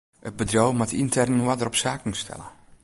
It bedriuw moat yntern oarder op saken stelle.